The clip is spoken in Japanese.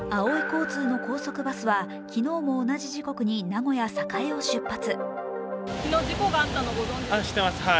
交通の高速バスは昨日も同じ時刻に名古屋・栄を出発。